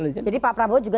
jadi pak prabowo juga